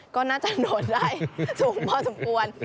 ก็น่าจะโหลดได้สูงพอสมควร